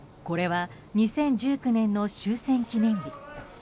これは２０１９年の終戦記念日。